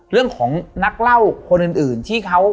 เรื่องของนักเล่าคนอื่นที่เขา